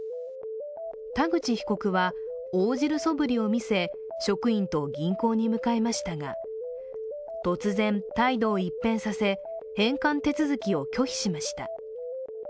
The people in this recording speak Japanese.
田口被告は、応じるそぶりを見せ職員と銀行に向かいましたが突然、態度を一変させ、返還手続きを拒否しました。